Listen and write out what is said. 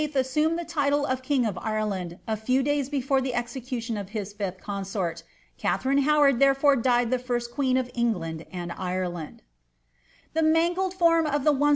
assumed the title of king of Ireland a few days before the execution of his fifth consort. Katharine Howard therefore died the flrst queen of England and Ireland.